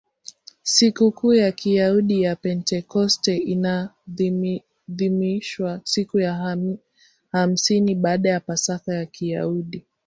Sikukuu ya Kiyahudi ya Pentekoste inaadhimishwa siku ya hamsini baada ya Pasaka ya Kiyahudi.